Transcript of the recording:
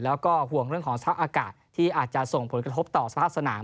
แล้วก็ห่วงเรื่องของสภาพอากาศที่อาจจะส่งผลกระทบต่อสภาพสนาม